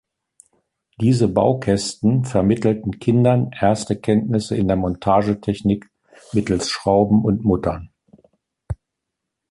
Diese Baukästen vermittelten Kindern erste Kenntnisse in der Montagetechnik mittels Schrauben und Muttern.